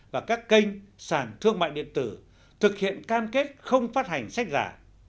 và các kênh sản thương mại điện tử thực hiện cam kết không phát hành sách giả